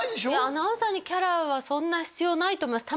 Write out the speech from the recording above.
アナウンサーにキャラはそんな必要ないと思います